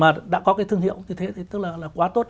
mà đã có cái thương hiệu như thế thì tức là quá tốt